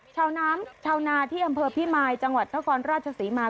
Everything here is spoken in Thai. ชาวนางชาวนาที่อัมเภอพี่ไมต์จังหวัดข้อคอนราชศรีมา